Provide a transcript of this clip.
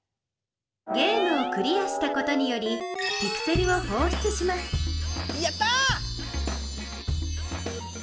ゲームをクリアしたことによりピクセルをほうしゅつしますやった！